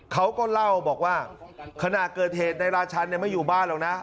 เขาก็เล่าบอกว่าขณะเกิดเหตุนายราชันไม่อยู่บ้านหรอกนะ